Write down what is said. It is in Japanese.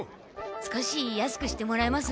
少し安くしてもらえます？